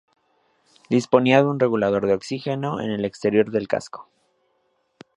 Disponía de un regulador de oxígeno en el exterior del casco.